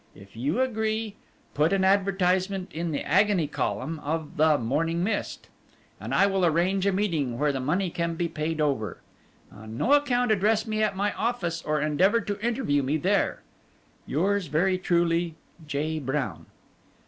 If you agree, put an advertisement in the agony column of the Morning Mist, and I will arrange a meeting where the money can be paid over. On no account address me at my office or endeavour to interview me there. "Yours very truly, "J. BROWN."